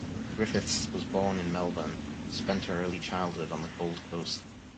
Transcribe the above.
Griffiths was born in Melbourne, but spent her early childhood on the Gold Coast.